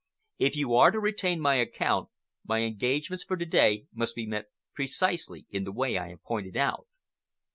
If you are to retain my account, my engagements for to day must be met precisely in the way I have pointed out."